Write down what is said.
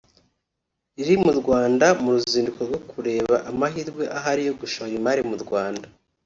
riri mu Rwanda mu ruzinduko rwo kureba amahirwe ahari yo gushora imari mu Rwanda